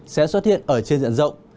sẽ xuất hiện ở trên diện rộng